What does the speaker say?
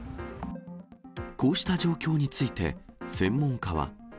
こうした状況について、専門家は。